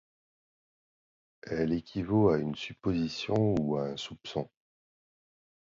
Elle équivaut à une supposition ou à un soupçon.